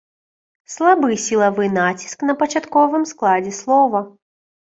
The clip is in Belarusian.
Слабы сілавы націск на пачатковым складзе слова.